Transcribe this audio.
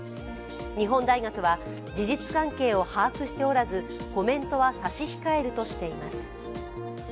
日本大学は事実関係を把握しておらずコメントは差し控えるとしています。